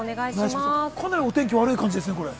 かなりお天気、悪い感じですね。